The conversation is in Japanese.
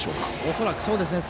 恐らくそうでしょうね。